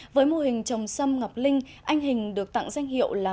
với mô hình trồng sâm ngọc linh anh hình được tặng danh hiệu là